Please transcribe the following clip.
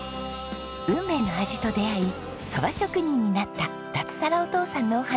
運命の味と出会い蕎麦職人になった脱サラお父さんのお話。